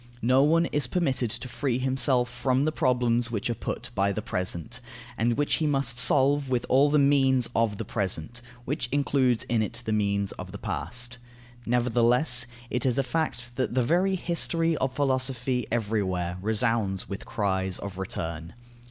No one is permitted to free himself from the problems which are put by the present, and which he must solve with all the means of the present (which includes in it the means of the past). Nevertheless, it is a fact that the history of philosophy everywhere resounds with cries of return.